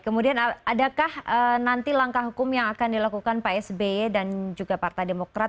kemudian adakah nanti langkah hukum yang akan dilakukan pak sby dan juga partai demokrat